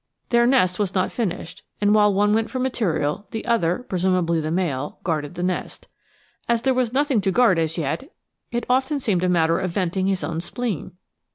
Their nest was not finished, and while one went for material, the other presumably the male guarded the nest. As there was nothing to guard as yet, it often seemed a matter of venting his own spleen!